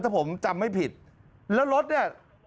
ถ้าผมจำไม่ผิดแล้วรถเนี่ย